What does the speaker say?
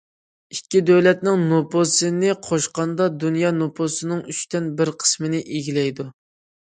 ئىككى دۆلەتنىڭ نوپۇسىنى قوشقاندا دۇنيا نوپۇسىنىڭ ئۈچتىن بىر قىسمىنى ئىگىلەيدۇ.